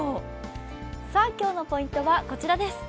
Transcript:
さあ、今日のポイントはこちらです。